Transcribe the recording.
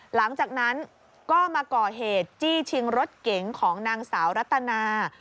หลังจากนั้นก็มาก่อเหตุจี้ชิงรถเก๋งของนางสาวรัตนา